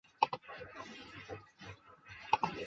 阿姆斯特丹新西区是荷兰阿姆斯特丹的一个行政区划。